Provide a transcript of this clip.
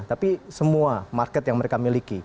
tapi semua market yang mereka miliki